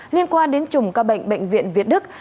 liên quan đến chủng ca bệnh bệnh viện việt đức